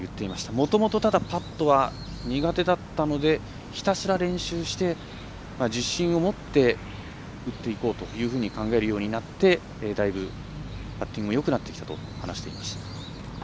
もともとパットは苦手だったのでひたすら練習して自信を持って打っていこうと考えるようになってだいぶ、パッティングもよくなってきたと話していました。